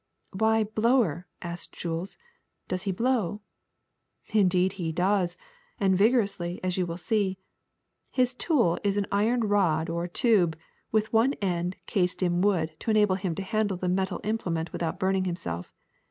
'' ''Why blower f' asked Jules. ''Does he blowT' "Indeed he does, and vigorously, as you will see. His tool is an iron rod or tube with one end cased in wood to enable him to handle the metal implement without burning himself.